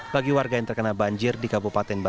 bagi warga yang terkena banjir di kabupaten jawa tenggara